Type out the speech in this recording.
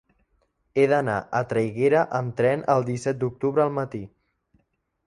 He d'anar a Traiguera amb tren el disset d'octubre al matí.